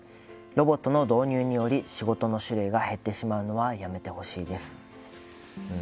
ロボットの導入により仕事の種類が減ってしまうのはやめてほしいです」。